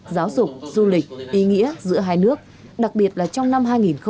giáo dục du lịch ý nghĩa giữa hai nước đặc biệt là trong năm hai nghìn hai mươi